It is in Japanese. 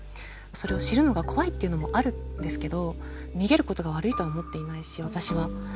それを知るのが怖いっていうのもあるんですけど逃げることが悪いとは思っていないし私は。